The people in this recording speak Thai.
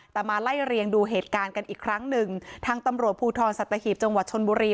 แต่มาไล่เรียงดูเหตุการณ์กันอีกครั้งหนึ่งทางตำรวจภูทรสัตหีบจังหวัดชนบุรี